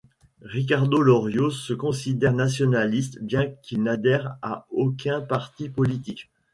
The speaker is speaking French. Ricardo Iorio se considère nationaliste bien qu'il n'adhère à aucun parti politique.